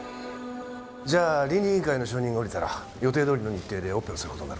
じゃあ倫理委員会の承認が下りたら予定どおりの日程でオペをする事になるからな。